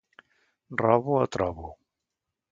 Robo o trobo.